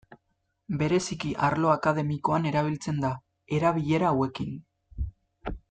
Bereziki arlo akademikoan erabiltzen da, erabilera hauekin.